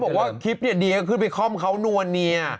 บอกว่าคลิปเนี่ยเดียก็ขึ้นไปคล่อมเขานัวเนีย